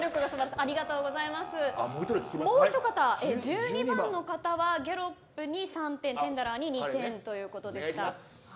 もうひとかた１２番の方はギャロップに３点テンダラーに２点ということでした。